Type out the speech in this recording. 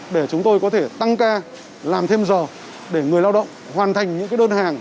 để chúng tôi có thể tăng ca làm thêm giờ để người lao động hoàn thành những đơn hàng